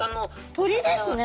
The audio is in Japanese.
鶏ですね。